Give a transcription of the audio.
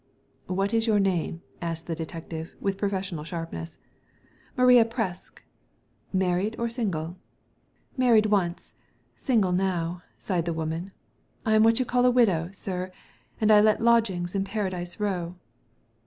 " What is your name ?" asked the detective, with professional sharpness. " Maria Presk." " Married or single ?*' "Married once, single now," sighed the woman. '' I am what you call a widow, sir ; and I let lodgings in Paradise Row."